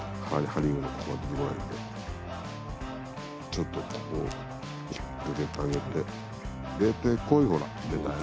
ちょっとここを引っ掛けてあげて出てこいほら出たよ。